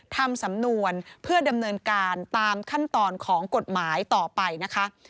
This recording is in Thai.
ทำสำนวนเพื่อดำเนินการตามขั้นตอนของกฎหมายต่อไปนะคะ